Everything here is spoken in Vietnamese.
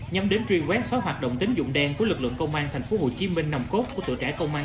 nhằm đến truyền quét xóa hoạt động tính dụng đen của lực lượng công an tp hcm nằm cốt của tựa trải công an tp